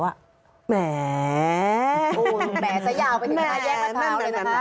แหมแหมซะยาวแย่งวัดเผาเลยนะคะ